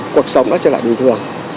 cuộc sống đã trở lại bình thường